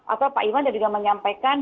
atau pak iwan juga menyampaikan